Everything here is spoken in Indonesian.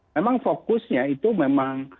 memang fokusnya itu memang